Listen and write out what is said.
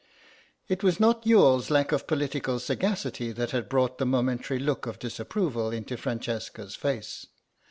It was not Youghal's lack of political sagacity that had brought the momentary look of disapproval into Francesca's face.